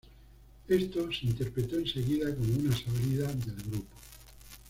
Esto se interpretó enseguida como una salida del grupo.